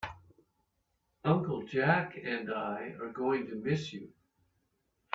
Uncle Jack and I are going to miss you.